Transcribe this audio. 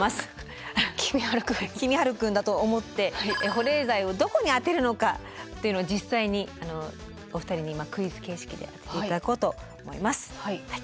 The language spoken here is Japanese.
キミハル君だと思って保冷剤をどこに当てるのかっていうのを実際にお二人にクイズ形式で当てて頂こうと思います。